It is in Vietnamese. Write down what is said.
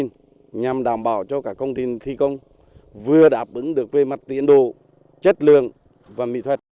nhằm đảm bảo cho các công ty thi công vừa đáp ứng được về mặt tiện đồ chất lượng và mỹ thuật